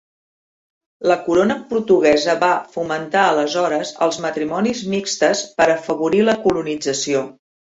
La corona portuguesa va fomentar aleshores els matrimonis mixtes per afavorir la colonització.